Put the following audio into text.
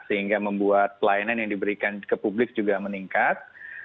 sehingga membuat pelayanan yang diberikan ke publik juga meningkat